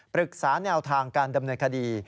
แนวทางการดำเนินคดี